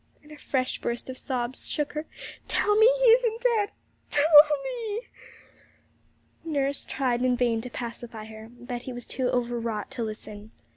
and a fresh burst of sobs shook her; 'tell me he isn't dead; tell me he isn't!' Nurse tried in vain to pacify her; Betty was too over wrought to listen.